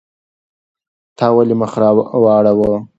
تا ولې مخ واړاوه؟